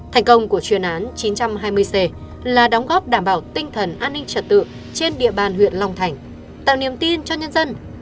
thành công của chuyên án chín trăm hai mươi c là đóng góp đảm bảo tinh thần an ninh trật tự trên địa bàn huyện long thành tạo niềm tin cho nhân dân